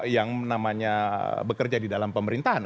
yang namanya bekerja di dalam pemerintahan